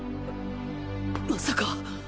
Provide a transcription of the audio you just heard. ままさか